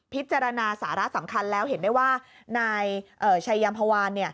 พิจารณาสาระสำคัญแล้วเห็นได้ว่านายชัยยามพวาน